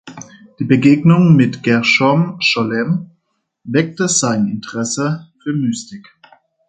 Die Begegnung mit Gershom Scholem weckte sein Interesse für Mystik.